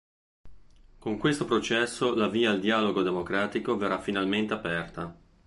Con questo processo la via al dialogo democratico verrà finalmente aperta".